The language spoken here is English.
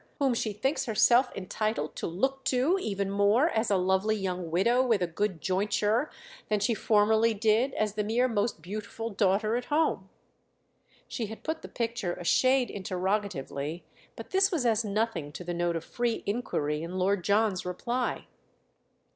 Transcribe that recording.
whom she thinks herself entitled to 'look to' even more as a lovely young widow with a good jointure than she formerly did as the mere most beautiful daughter at home." She had put the picture a shade interrogatively, but this was as nothing to the note of free inquiry in Lord John's reply.